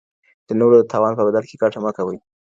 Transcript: د نورو د تاوان په بدل کي ګټه مه کوئ.